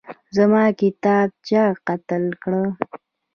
زما کتاب چا قتل کړی